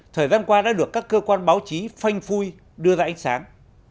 thời gian qua đã được các cơ quan báo chí phanh phui đưa ra ánh sáng